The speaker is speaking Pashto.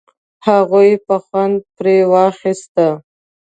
هغوی به خوند پر اخيسته.